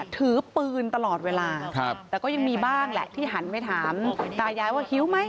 ถือปืนตลอดเวลาแต่ก็ยังมีบ้างแหละที่หันไปถามตายายว่าหิวไหม